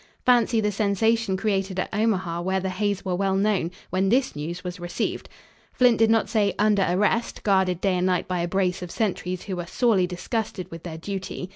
Fancy the sensation created at Omaha, where the Hays were well known, when this news was received! Flint did not say "under arrest," guarded day and night by a brace of sentries who were sorely disgusted with their duty.